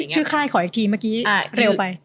ค่ายขออีกทีเมื่อกี้เร็วไป